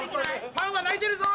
ファンは泣いてるぞ！